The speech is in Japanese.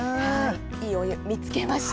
いいお湯、見つけました。